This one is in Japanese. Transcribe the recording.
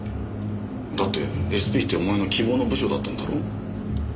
だってＳＰってお前の希望の部署だったんだろう？